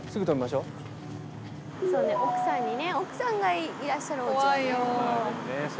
そうね奥さんにね奥さんがいらっしゃるおうちは。